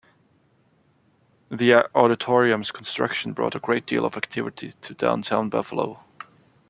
The Auditorium's construction brought a great deal of activity to downtown Buffalo.